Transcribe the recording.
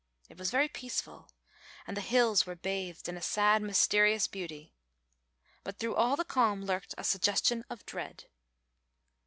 It was very peaceful and the hills were bathed in a sad mysterious beauty. But through all the calm lurked a suggestion of dread.